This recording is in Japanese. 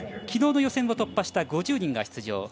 昨日の予選を突破した５０人が出場。